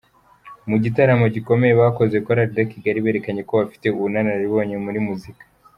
Mu gitaramo gikomeye bakoze, Chorale de Kigali berekanye ko bafite ubunararibonye muri muzika.